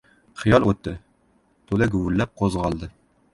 Xiyol o‘tdi, to‘da guvillab qo‘zg‘oldi.